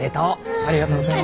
ありがとうございます。